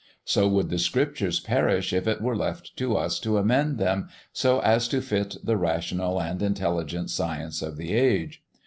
So would the Scriptures perish if it were left to us to amend them so as to fit the rational and intelligent science of the age.